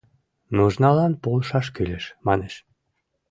Нужналан полшаш кӱлеш, манеш.